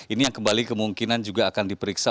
ini yang kembali kemungkinan juga akan diperiksa